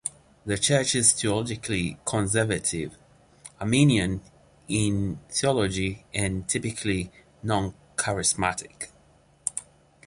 The church is theologically conservative, Arminian in theology and typically non-charismatic.